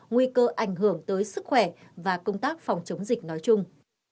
nguy cơ ảnh hưởng tới sức khỏe và công tác phòng chống dịch nói chung